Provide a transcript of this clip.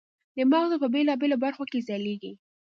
د مغزو په بېلابېلو برخو کې یې ځلېږي.